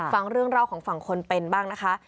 ฟังเรื่องเล่าของฝั่งคนเป็นบ้างนะคะ